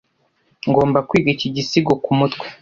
Ngomba kwiga iki gisigo kumutwe.